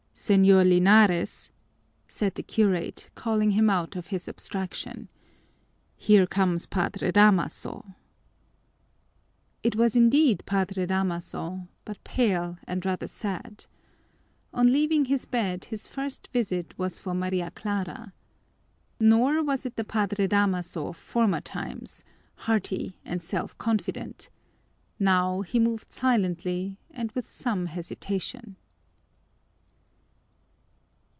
"Señor Linares," said the curate, calling him out of his abstraction, "here comes Padre Damaso." It was indeed Padre Damaso, but pale and rather sad. On leaving his bed his first visit was for Maria Clara. Nor was it the Padre Damaso of former times, hearty and self confident; now he moved silently and with some hesitation.